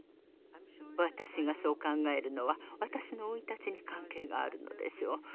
私がそう考えるのは私の生い立ちに関係があるのでしょう。